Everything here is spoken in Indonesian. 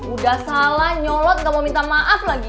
udah salah nyolot gak mau minta maaf lagi